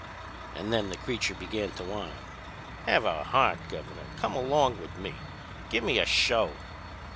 And then the creature began to whine. 'Have a heart, Governor, come along with me. Gimme a show!'